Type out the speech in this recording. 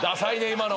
今の。